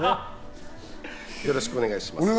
よろしくお願いします。